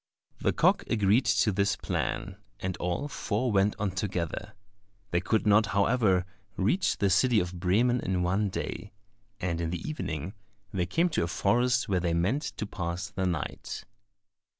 The cock agreed to this plan, and all four went on together. They could not, however, reach the city of Bremen in one day, and in the evening they came to a forest where they meant to pass the night.